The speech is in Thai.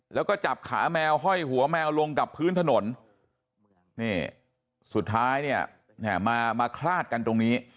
แล้วก็จับขาแมวห้อยหัวแมวลงกับพื้นถนนนี่สุดท้ายเนี่ยมาคลาดกันตรงนี้